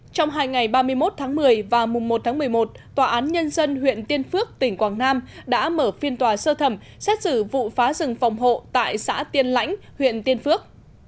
trong hai ngày ba mươi một tháng một mươi và mùng một tháng một mươi một tòa án nhân dân huyện tiên phước tỉnh quảng nam đã mở phiên tòa sơ thẩm xét xử vụ phá rừng phòng hộ tại xã tiên lãnh huyện tiên phước